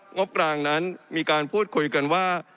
งบกลางนั้นมีการพูดคุยกันว่า